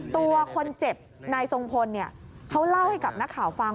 ตัวคนเจ็บนายทรงพลเขาเล่าให้กับนักข่าวฟัง